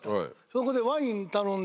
そこで。